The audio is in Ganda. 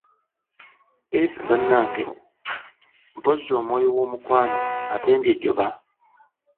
Eeee bannange, mpozzi omwoyo w'omukwano antembye ejjoba.